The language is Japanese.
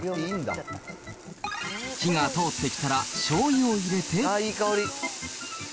火が通ってきたらしょうゆを入れて。